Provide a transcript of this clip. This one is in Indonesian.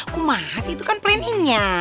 kumahas itu kan planningnya